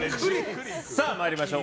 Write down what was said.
さあ、参りましょう。